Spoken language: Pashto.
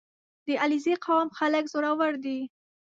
• د علیزي قوم خلک زړور دي.